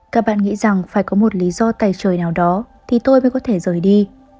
các bạn nghĩ rằng phải có một lý do tài trời nào đó thì tôi mới có thể rời đi